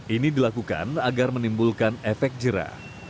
ini dilakukan agar menimbulkan efek jerah